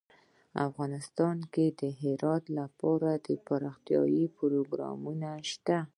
افغانستان کې د هرات لپاره دپرمختیا پروګرامونه شته.